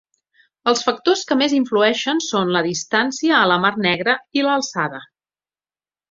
Els factors que més influeixen són la distància a la Mar Negra i l'alçada.